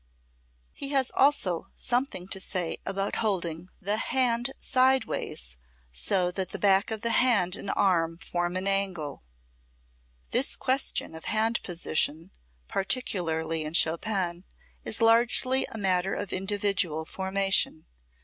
He has also something to say about holding "the hand sideways, so that the back of the hand and arm form an angle." This question of hand position, particularly in Chopin, is largely a matter of individual formation.